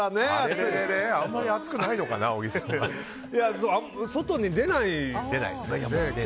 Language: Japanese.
あんまり暑くないのかな外に出ないよね。